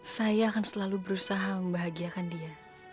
saya akan selalu berusaha membahagiakan dia